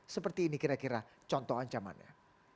seperti ini kira kira contoh ancamannya